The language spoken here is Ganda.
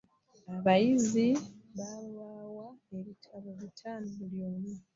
Abayizi baabawa ebitabo bitaano buli omu.